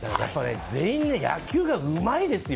全員、野球がうまいですよ！